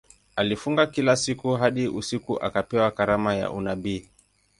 Alifunga kila siku hadi usiku akapewa karama ya unabii.